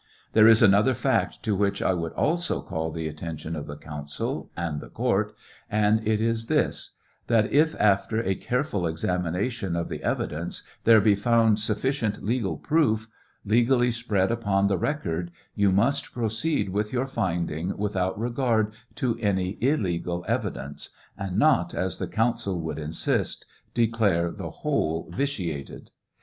There is another fact to which I would also call the attention of the counsel and the court, and it is this : that if after a careful examination of the evidence there be found sulBcient legal proof, legally spread upon the record, you must proceed with your finding without regard to any illegal evidence, and not, as the counsel would insist, declare the whole vitiated.